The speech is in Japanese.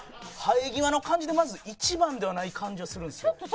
生え際の感じでまず１番ではない感じはするんですよ。